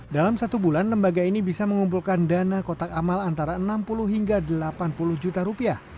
dalam satu bulan lembaga ini bisa mengumpulkan dana kotak amal antara enam puluh hingga delapan puluh juta rupiah